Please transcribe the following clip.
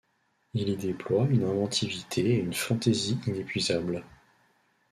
Il y déploie une inventivité et une fantaisie inépuisables.